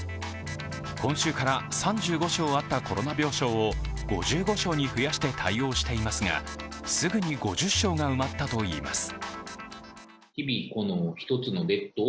今週から３５床あったコロナ病床を５５床に増やして対応していますがすぐに５０床が埋まったといいます。